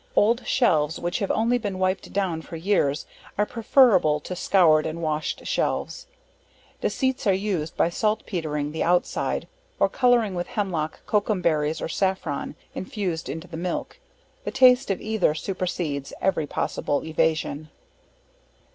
Old shelves which have only been wiped down for years, are preferable to scoured and washed shelves. Deceits are used by salt petering the out side, or colouring with hemlock, cocumberries, or safron, infused into the milk; the taste of either supercedes every possible evasion.